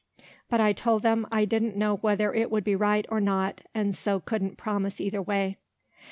But I told them I didn't know whether it would be right or not, and so couldn't promise either way.